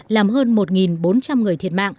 làm hơn một bốn trăm linh người thiệt